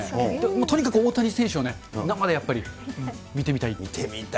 とにかく大谷選手を生でやっ見てみたい。